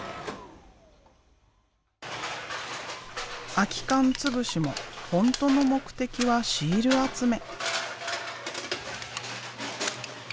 空き缶つぶしも本当の目的はシール集め。